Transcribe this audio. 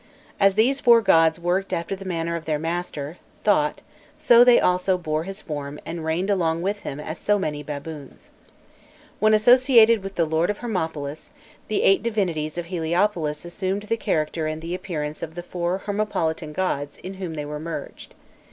As these four gods worked after the manner of their master, Thot, so they also bore his form and reigned along with him as so many baboons. When associated with the lord of Hermopolis, the eight divinities of Heliopolis assumed the character and the appearance of the four Hermopolitan gods in whom they were merged.